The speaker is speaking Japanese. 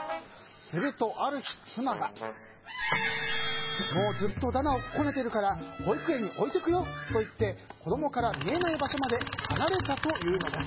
するとある日、妻がもうずっと駄々をこねてるから保育園に置いていくよと言って子供から見えない場所まで離れたというのです。